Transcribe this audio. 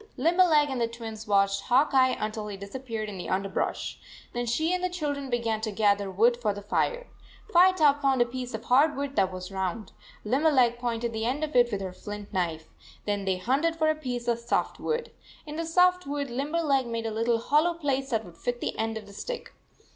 Limberleg and the Twins watched Hawk Eye until he disappeared in the underbrush. Then she and the children began to gather wood for the fire. Firetop found a piece of hard wood that was round. Limberleg pointed the end of it with her flint knife. Then they hunted for a piece of soft wood. In the soft wood Limberleg made a little hollow place that would fit the end of the stick.